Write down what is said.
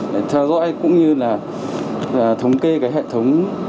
để theo dõi cũng như là thống kê cái hệ thống